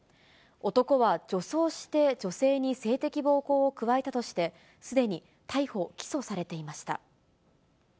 男は女装して女性に性的暴行を加えたとして、すでに逮捕・起訴されていました。